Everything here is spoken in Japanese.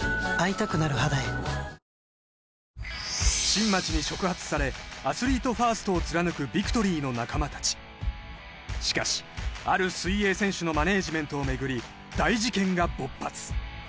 新町に触発されアスリートファーストを貫くビクトリーの仲間達しかしある水泳選手のマネージメントをめぐり大事件が勃発